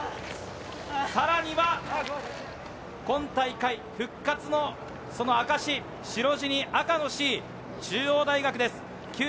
さらに今大会復活の証し、白地に赤のＣ、中央大学です。